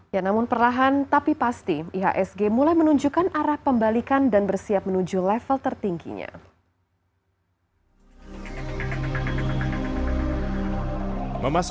ya namun perlahan tapi pasti ihsg mulai menunjukkan arah pembalikan dan bersiap menuju level tertingginya